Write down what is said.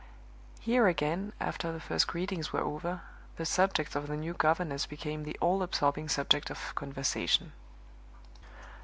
Here again, after the first greetings were over, the subject of the new governess became the all absorbing subject of conversation.